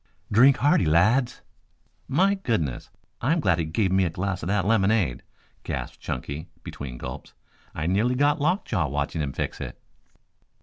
"Drink hearty, lads." "My goodness, I'm glad he gave me a glass of that lemonade," gasped Chunky between gulps. "I nearly got lockjaw watching him fix it."